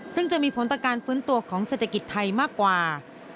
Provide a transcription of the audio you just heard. ซึ่งจะมีผลต่อการฟื้นตัวของเศรษฐกิจไทยมากกว่า